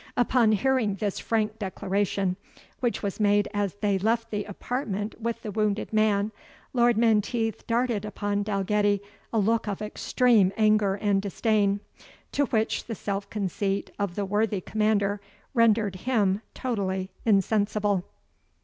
Upon hearing this frank declaration, which was made as they left the apartment with the wounded man, Lord Menteith darted upon Dalgetty a look of extreme anger and disdain, to which the self conceit of the worthy commander rendered him totally insensible.